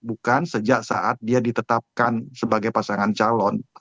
bukan sejak saat dia ditetapkan sebagai pasangan calon